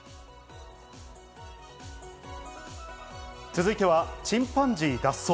続いては、チンパンジー脱走。